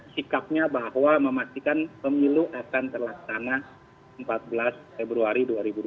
sikapnya bahwa memastikan pemilu akan terlaksana empat belas februari dua ribu dua puluh